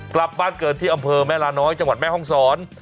กลับบ้านเกิดที่อำเภอแม่ลาน้อยจังหวัดแม่ห้องศร